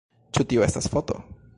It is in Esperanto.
Ĉu tio estas foto?